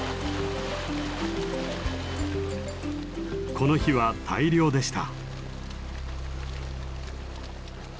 この日は大漁でした。